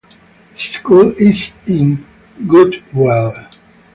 The school is in Goodwell.